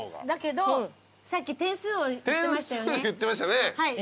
だけどさっき点数を言ってましたよね。